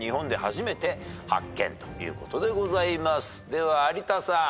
では有田さん。